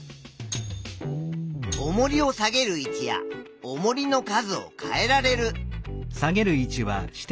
おもりを下げる位置やおもりの数を変えられる。